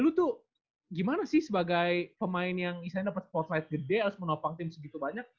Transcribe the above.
lu tuh gimana sih sebagai pemain yang misalnya dapet spotlight gede harus menopang tim segitu banyak